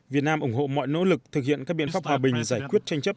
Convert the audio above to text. việt nam ủng hộ mọi nỗ lực thực hiện các biện pháp hòa bình giải quyết tranh chấp